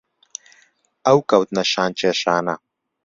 ئەو کەوتنە شان کێشانە